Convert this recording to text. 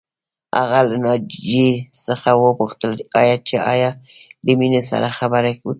هغه له ناجیې څخه وپوښتل چې ایا له مينې سره خبرې وکړې